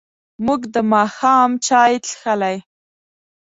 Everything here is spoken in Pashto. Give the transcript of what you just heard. موږ د ماښام چای څښلی.